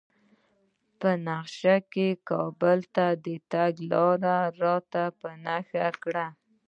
په نقشه کې کابل ته د تګ لار راته په نښه کړئ